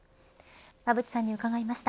馬渕さんに伺いました。